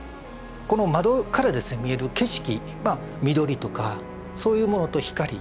この窓から見える景色緑とかそういうものと光と風。